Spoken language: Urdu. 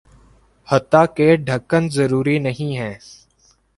حتٰیکہ ڈھکن ضروری نہیں ہیں